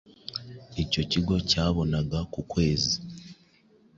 icyo kigo cyabonaga ku kwezi